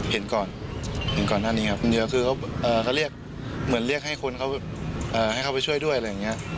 เห็นก่อนหน้านี้ครับเขาเรียกเหมือนเรียกให้เขาไปช่วยด้วยอะไรอย่างนี้